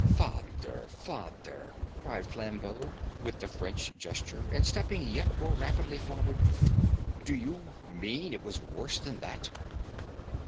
"Father father," cried Flambeau with the French gesture and stepping yet more rapidly forward, "do you mean it was worse than that?"